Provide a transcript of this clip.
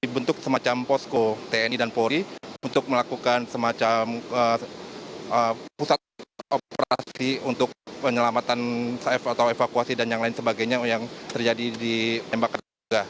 dibentuk semacam posko tni dan polri untuk melakukan semacam pusat operasi untuk penyelamatan atau evakuasi dan yang lain sebagainya yang terjadi di tembakan juga